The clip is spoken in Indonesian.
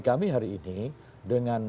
kami hari ini dengan